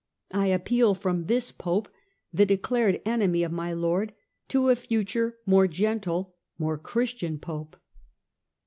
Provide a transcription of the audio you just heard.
I appeal from this Pope, the declared enemy of my Lord, to a future, more gentle, more Christian Pope."